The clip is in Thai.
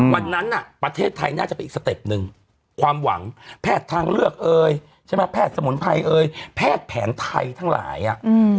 วันนั้นน่ะประเทศไทยน่าจะไปอีกสเต็ปหนึ่งความหวังแพทย์ทางเลือกเอ่ยใช่ไหมแพทย์สมุนไพรเอ่ยแพทย์แผนไทยทั้งหลายอ่ะ